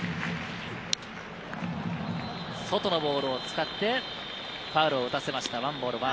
外のボールを使ってファウルを打たせました。